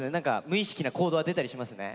無意識な行動は出たりしますね。